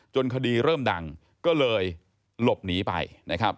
คดีเริ่มดังก็เลยหลบหนีไปนะครับ